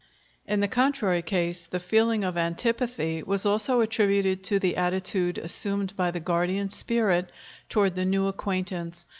In the contrary case, the feeling of antipathy was also attributed to the attitude assumed by the guardian spirit toward the new acquaintance.